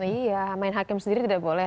iya main hakim sendiri tidak boleh